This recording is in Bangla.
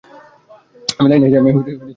আমি লাইনে আছি।